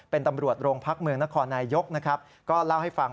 เป็นตำรวจโรงพักเมืองนครนายยกนะครับก็เล่าให้ฟัง